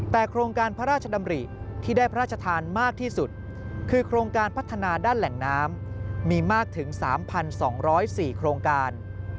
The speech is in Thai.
แต่โครงการพระราชดำริที่ได้พระราชทานมากที่สุดคือโครงการพัฒนาด้านแหล่งน้ำมีมากถึง๓๒๐๔โครงการ